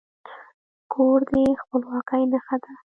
کور د خپلواکي نښه ده.